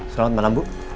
selamat malam bu